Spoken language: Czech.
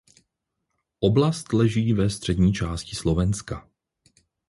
Oblast leží ve střední části Slovenska.